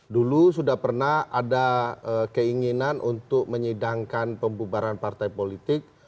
dulu sudah pernah ada keinginan untuk menyidangkan pembubaran partai politik